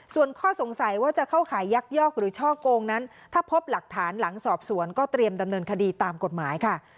ส่วนข้อสงสัยว่าจะเข้าขายยักยอกหรือช่อโกงนั้นถ้าพบหลักฐานหลังสอบสวนก็เตรียมดำเนินคดีตามกฎหมายค่ะ